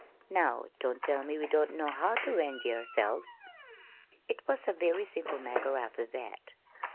Now, don't tell me we don't know how ter enj'y ourselves!" It was a very simple matter after that.